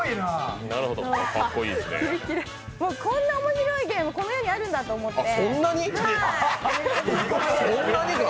こんな面白いゲームこの世にあるんだと思って。